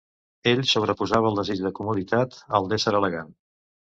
Ell sobreposava el desig de comoditat al d'ésser elegant.